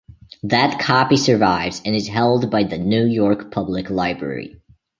That copy survives and is held by the New York Public Library.